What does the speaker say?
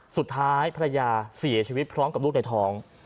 สุดท้ายภรรยาเสียชีวิตพร้อมกับลูกในท้อง